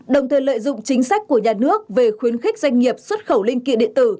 đồng thời lợi dụng chính sách của nhà nước về khuyến khích doanh nghiệp xuất khẩu linh kiện điện tử